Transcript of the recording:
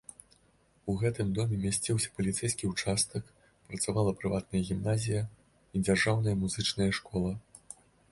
У гэтым доме мясціўся паліцэйскі ўчастак, працавала прыватная гімназія і дзяржаўная музычная школа.